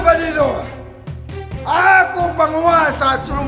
ini bukan wajahku